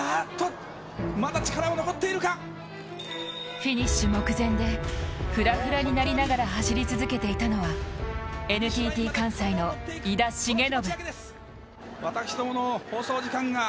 フィニッシュ目前でフラフラになりながら走り続けていたのはＮＴＴ関西の井田茂宣。